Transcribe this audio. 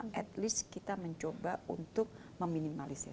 setidaknya kita mencoba untuk meminimalisir